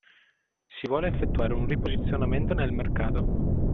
Si vuole effettuare un riposizionamento nel mercato.